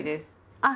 あっ！